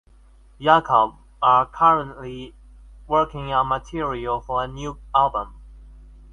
Jakob are currently working on material for a new album.